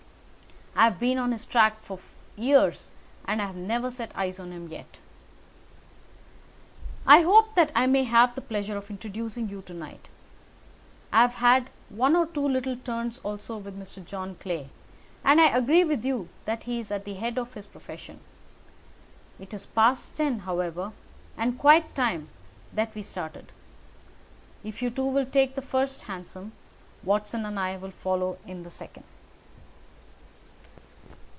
I've been on his track for years and have never set eyes on him yet." "I hope that I may have the pleasure of introducing you to night. I've had one or two little turns also with Mr. John Clay, and I agree with you that he is at the head of his profession. It is past ten, however, and quite time that we started. If you two will take the first hansom, Watson and I will follow in the second."